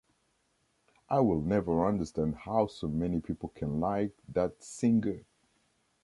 I will never understand how so many people can like that singer!